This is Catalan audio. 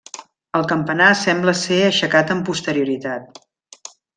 El campanar sembla ser aixecat amb posterioritat.